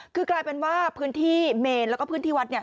คือกลายเป็นว่าพื้นที่เมนแล้วก็พื้นที่วัดเนี่ย